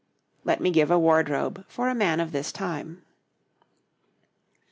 Let me give a wardrobe for a man of this time.